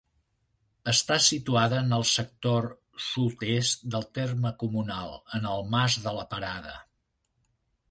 Està situada en el sector sud-est del terme comunal, en el mas de la Parada.